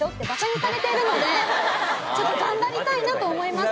ちょっと頑張りたいなと思います